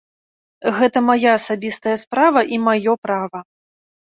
Гэта мая асабістая справа і маё права.